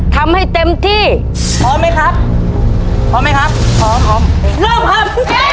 ทำให้เต็มที่พร้อมไหมครับพร้อมไหมครับพร้อมพร้อมเริ่มครับ